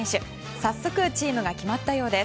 早速、チームが決まったようです。